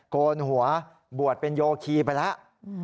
โกนหัวบวชเป็นโยคีไปแล้ว